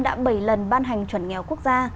đã bảy lần ban hành chuẩn nghèo quốc gia